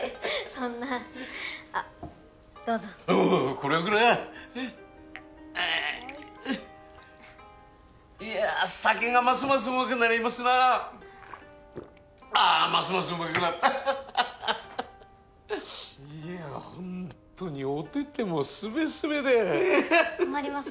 そんなあっどうぞおうこれはこれはあぁはいいや酒がますますうまくなりますなあますますうまくなるハハハハいやほんとにお手々もすべすべでアハハ困ります